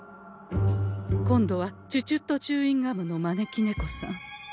今度はチュチュットチューインガムの招き猫さん。